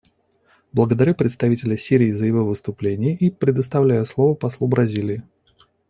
Благодарю представителя Сирии за его выступление и предоставляю слово послу Бразилии.